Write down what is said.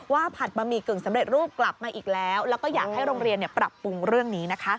ผัดบะหมี่กึ่งสำเร็จรูปกลับมาอีกแล้วแล้วก็อยากให้โรงเรียนปรับปรุงเรื่องนี้นะคะ